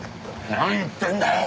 何言ってんだよ！